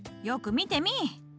よく見てみい。